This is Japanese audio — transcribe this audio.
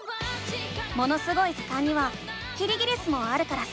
「ものすごい図鑑」にはキリギリスもあるからさ